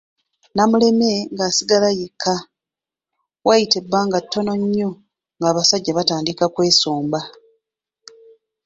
Namuleme ng’asigala yekka, waayita ebbanga ttono nnyo nga abasajja batandika kwesomba.